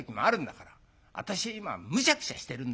私今むしゃくしゃしてるんだ」。